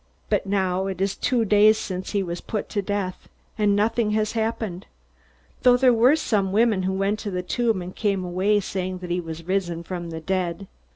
But now it is two days since he was put to death, and nothing has happened though there were some women who went to the tomb and came away saying that he was risen from the dead."